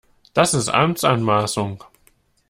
Das ist Amtsanmaßung!